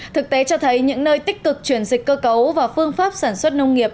thực tế cho thấy những nơi tích cực chuyển dịch cơ cấu và phương pháp sản xuất nông nghiệp